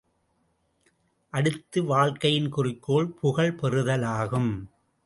அடுத்து வாழ்க்கையின் குறிக்கோள் புகழ் பெறுதலாகும்.